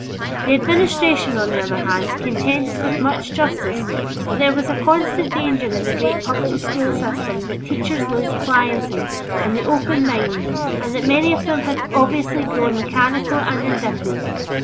The administration, on the other hand, contended with much justice that there was a constant danger in a great public school system that teachers lose pliancy and the open mind, and that many of them had obviously grown mechanical and indifferent.